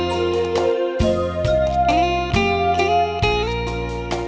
อยากแด่ช่วงเวลาทำอะไร